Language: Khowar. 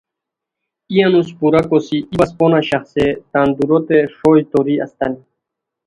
ای انوس پورا کوسی ای بس پونہ شاخڅئے تان دُوروت سوئے توری استانی